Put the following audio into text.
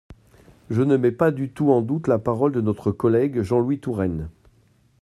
Je ne mets pas du tout en doute la parole de notre collègue Jean-Louis Touraine.